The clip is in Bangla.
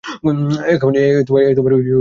এ কেমন করিয়া হইল।